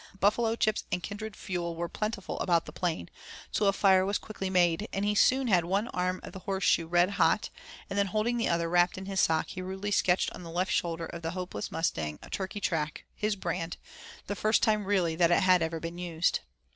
Buffalo chips and kindred fuel were plentiful about the plain, so a fire was quickly made, and he soon had one arm of the horse shoe red hot, then holding the other wrapped in his sock he rudely sketched on the left shoulder of the helpless mustang a turkeytrack, his brand, the first time really that it had ever been used.